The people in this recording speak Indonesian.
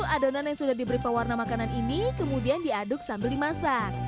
adonan yang sudah diberi pewarna makanan ini kemudian diaduk sambil dimasak